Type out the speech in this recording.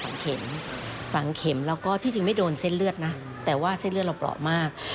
เข็มฝังเข็มแล้วก็ที่จริงไม่โดนเส้นเลือดนะแต่ว่าเส้นเลือดเราเปราะมาก